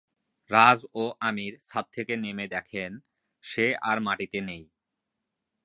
রাজ ও আমির ছাদ থেকে নেমে দেখেন সে আর মাটিতে নেই।